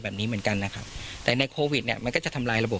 แบบนี้เหมือนกันนะครับแต่ในโควิดเนี่ยมันก็จะทำลายระบบ